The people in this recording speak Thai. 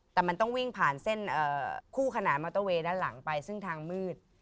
แต่มันต้องวิ่งผ่านเส้นคู่ขนานมอเตอร์เวย์ด้านหลังไปซึ่งทางมืด